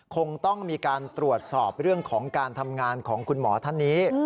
คงต้องมีการตรวจสอบเรื่องของการทำงานของคุณหมอท่านนี้